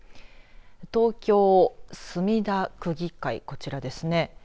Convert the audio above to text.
東京・墨田区議会こちらですね。